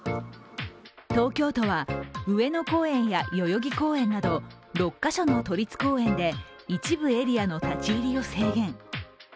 東京都は、上野公園や代々木公園など６カ所の都立公園で一部エリアの立ち入りを制限。